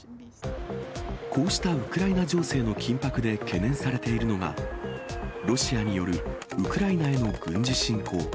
こうしたウクライナ情勢の緊迫で懸念されているのが、ロシアによるウクライナへの軍事侵攻。